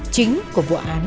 chính của vụ án